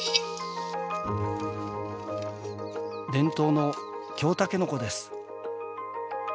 伝統の京たけのこです。